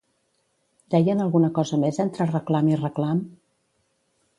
Deien alguna cosa més entre reclam i reclam?